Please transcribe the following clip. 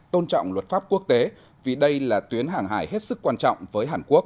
tôn trọng luật pháp quốc tế vì đây là tuyến hàng hải hết sức quan trọng với hàn quốc